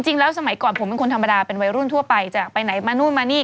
สมัยก่อนผมเป็นคนธรรมดาเป็นวัยรุ่นทั่วไปจะไปไหนมานู่นมานี่